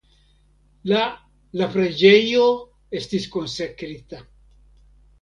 La la preĝejo estis konsekrita.